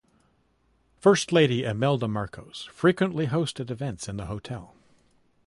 First Lady Imelda Marcos frequently hosted events in the hotel.